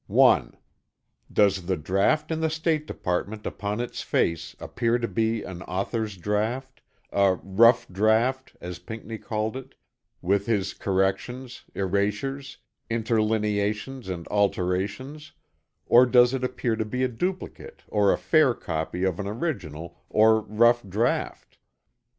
1. Does the draught in the State Department upon its face appear to be an author's draught a, "rough draught," as Pinckney called it with his corrections, erasures, interlineations and alterations or does it appear to be a duplicate or a fair copy of an original or "rough" draught?